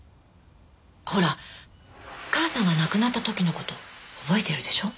ほら母さんが亡くなった時の事覚えてるでしょ？